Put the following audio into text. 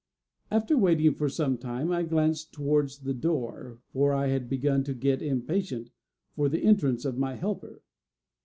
After waiting for some time, I glanced towards the door, for I had begun to get impatient for the entrance of my helper.